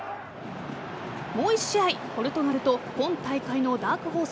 もう１試合、ポルトガルと今大会のダークホース